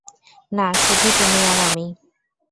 না শুধু তুমি আর আমি।